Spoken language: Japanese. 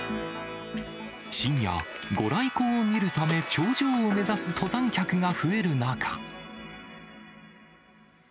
深夜、ご来光を見るため、頂上を目指す登山客が増える中。